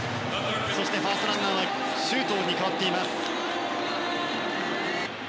そしてファーストランナーは周東に代わっています。